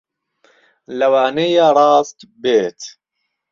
لەوانەیە ڕاست بێت